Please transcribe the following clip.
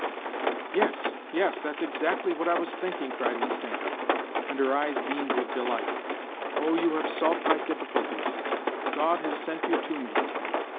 ' "Yes, yes; that's exactly what I was thinking!" cried Nastenka, and her eyes beamed with delight. " Oh, you have solved my difficulties: God has sent you to" me